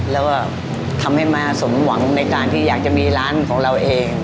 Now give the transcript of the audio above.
แล้วก็ทำให้มาสมหวังในการที่อยากจะมีร้านของเราเอง